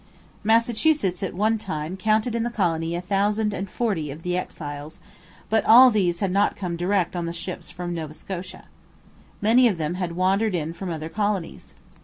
Massachusetts at one time counted in the colony a thousand and forty of the exiles, but all these had not come direct on the ships from Nova Scotia. Many of them had wandered in from other colonies.